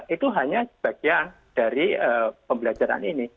itu hanya sebagian dari pembelajaran ini